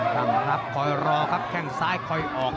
ตั้งรับคอยรอครับแข้งซ้ายคอยออก